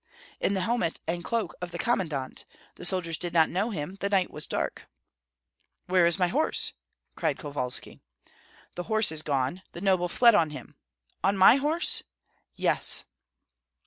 "In the helmet and cloak of the commandant; the soldiers did not know him, the night was dark." "Where is my horse?" cried Kovalski. "The horse is gone. The noble fled on him." "On my horse?" "Yes."